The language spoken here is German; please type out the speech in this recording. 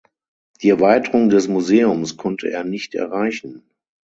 Die Erweiterung des Museums konnte er nicht erreichen.